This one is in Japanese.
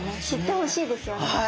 知ってほしいですよね。